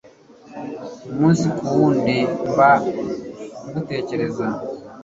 umunsi ku wundi.mba ngutekereza